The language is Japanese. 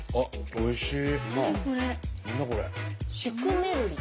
おいしい。